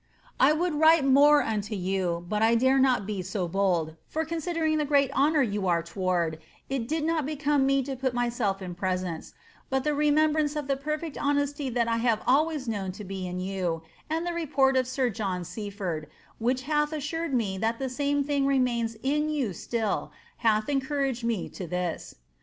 I would vhtf more unto you, but I dare not be*80 bold, for considering the great honour yoaare toward, it did not become me to put myself in presence ; but the remembiuet of the perfect honesty that I have always known to be in you, and the report of sir George Seaford, which hath assured me that the same thing remains in jt» still, hath encouraged me to this.